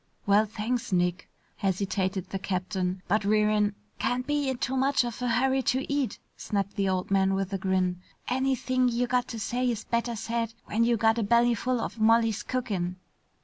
"Well, thanks, Nick," hesitated the captain. "But we're in " "Can't be in too much of a hurry to eat," snapped the old man with a grin. "Anything you got to say is better said when you got a bellyful of Molly's cookin'."